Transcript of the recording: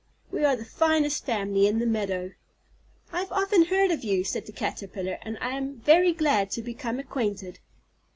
We are the finest family in the meadow." "I have often heard of you," said the Caterpillar, "and am very glad to become acquainted."